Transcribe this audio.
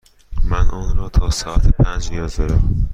من آن را تا ساعت پنج نیاز دارم.